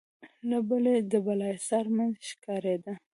له بلې يې د بالاحصار مينځ ښکارېده.